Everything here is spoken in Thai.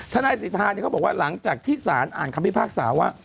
ธนายศิษฐานเขาบอกว่าหลังจากที่ศาลอ่านคำพิพากษาว่า